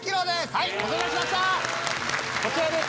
はいこちらにしましたこちらです！